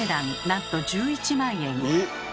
なんと１１万円。